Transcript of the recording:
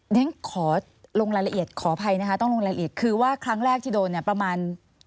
ฉันขอลงรายละเอียดขออภัยนะคะต้องลงรายละเอียดคือว่าครั้งแรกที่โดนเนี่ยประมาณ